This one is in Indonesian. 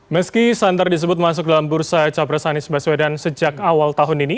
meski santar disebut masuk dalam bursa capres anies baswedan sejak awal tahun ini